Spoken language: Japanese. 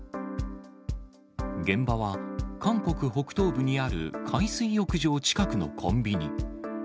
現場は韓国北東部にある海水浴場近くのコンビニ。